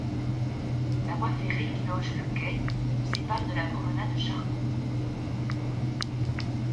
La voie ferrée qui longe le quai le sépare de la promenade Charcot.